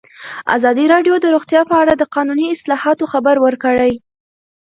ازادي راډیو د روغتیا په اړه د قانوني اصلاحاتو خبر ورکړی.